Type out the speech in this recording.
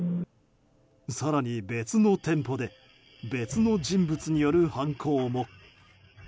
更に、別の店舗で別の人物による犯行も。